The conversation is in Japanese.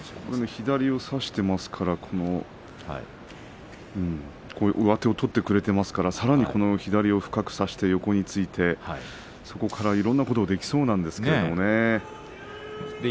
左を差していますから上手を取ってくれていますからさらに左を深く差して横についていってそこからいろんなことができそうなんですけどもね。